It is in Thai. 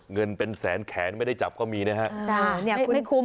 เงินเป็นแสนแขนไม่ได้จับก็มีนะฮะ